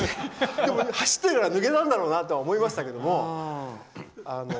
でも、走ってたから抜けたんだろうなとは思ってましたけど。